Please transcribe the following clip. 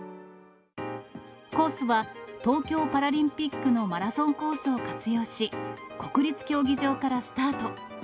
コースは東京パラリンピックのマラソンコースを活用し、国立競技場からスタート。